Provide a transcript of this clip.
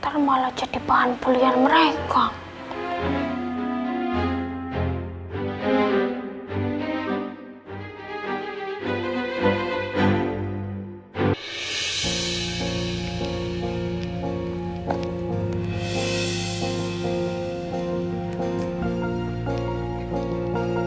karena saya tidak punyaemin kennteng kamu ya